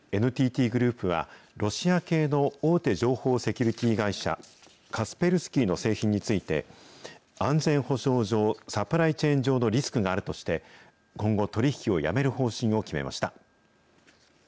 ＮＴＴグループは、ロシア系の大手情報セキュリティー会社、カスペルスキーの製品について、安全保障上、サプライチェーン上のリスクがあるとして、今後、取り引きをやめる方針を決めました。